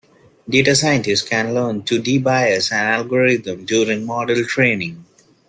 Data Scientists can learn to de-bias an algorithm during model training.